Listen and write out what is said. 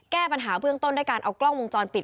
แก้ปัญหาเบื้องต้นด้วยการเอากล้องวงจรปิด